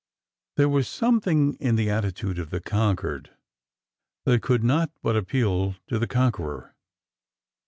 There was something in the attitude of the conquered that could not but appeal to the conqueror.